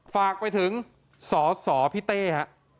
ฝากไปถึงสสพิเตธ่ะ